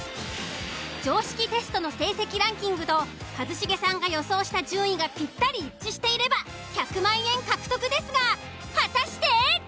常識テストの成績ランキングと一茂さんが予想した順位がぴったり一致していれば１００万円獲得ですが果たして？